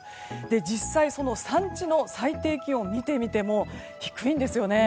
実際、産地の最低気温を見てみても低いんですよね。